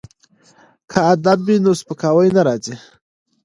که ادب وي نو سپکاوی نه راځي.